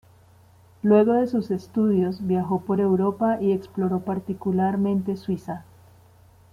Luego de sus estudios, viajó por Europa y exploró particularmente Suiza.